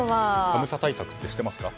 寒さ対策ってしてますか？